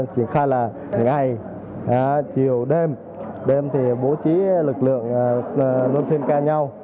chuyển khai là ngày chiều đêm đêm thì bố trí lực lượng luôn thêm ca nhau